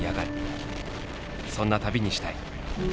そんな旅にしたい。